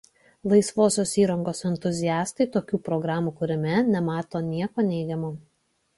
Laisvosios įrangos entuziastai tokių programų kūrime nemato nieko neigiamo.